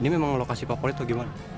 ini memang lokasi favorit atau gimana